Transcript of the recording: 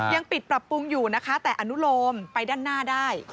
ยังปิดปรับปรุงอยู่นะคะแต่อนุโลมไปด้านหน้าได้